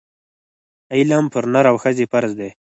علم پر نر او ښځي فرض دی